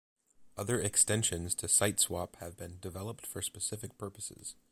Other extensions to siteswap have been developed for specific purposes.